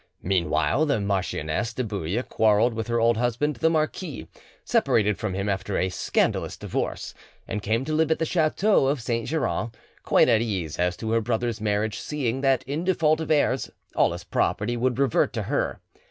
Meanwhile the Marchioness de Bouille quarrelled with her old husband the marquis, separated from him after a scandalous divorce, and came to live at the chateau of Saint Geran, quite at ease as to her brother's marriage, seeing that in default of heirs all his property would revert to her.